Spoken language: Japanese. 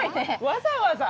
わざわざ？